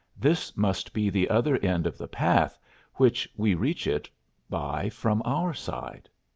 "This must be the other end of the path which we reach it by from our side.